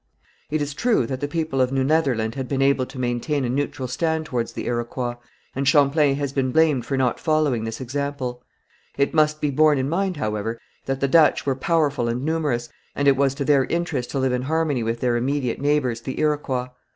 It is true that the people of New Netherland had been able to maintain a neutral stand towards the Iroquois, and Champlain has been blamed for not following this example. It must be borne in mind, however, that the Dutch were powerful and numerous, and it was to their interest to live in harmony with their immediate neighbours, the Iroquois.